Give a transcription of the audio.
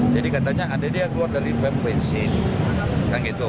jadi katanya ada dia keluar dari pemben bensin kan gitu